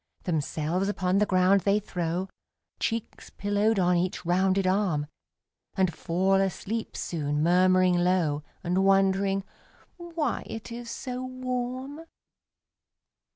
Themselves upon the ground they throw, Cheeks pillowed on each rounded arm And fall asleep soon, murmuring low, And wondering "why it is so warm?"